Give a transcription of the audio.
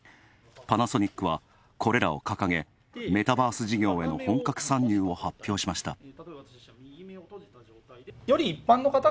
パナソニックはこれらを掲げ、メタバース事業への本格参入を発表しました。